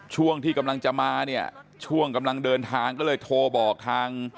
ช่วงที่กำลังจะมาเนี่ยช่วงกำลังเดินทางก็เลยโทรบอกทาง